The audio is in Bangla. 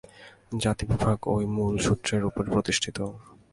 জাতিবিভাগ ঐ মূলসূত্রের উপরই প্রতিষ্ঠিত।